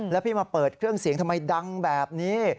แล้วพี่มาเปิดเครื่องเสียงทำไมดังแบบนี้